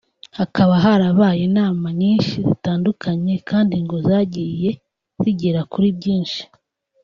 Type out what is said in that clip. Hakaba harabaye inama nyinshi zitandukanye kandi ngo zagiye zigera kuri byinshi